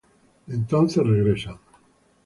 Entonces, regresan.